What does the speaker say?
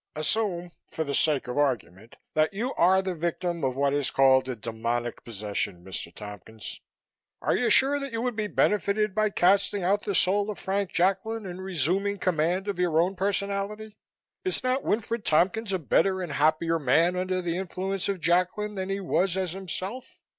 Assume, for the sake of argument, that you are the victim of what is called a demoniac possession, Mr. Tompkins. Are you sure that you would be benefited by casting out the soul of Frank Jacklin and resuming command of your own personality? Is not Winfred Tompkins a better and happier man under the influence of Jacklin than he was as himself?